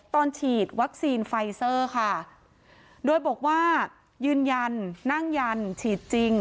ตอนฉีดวัคซีนไฟเซอร์ค่ะโดยบอกว่ายืนยันนั่งยันฉีดจริง